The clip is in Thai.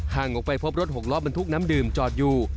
ออกไปพบรถหกล้อบรรทุกน้ำดื่มจอดอยู่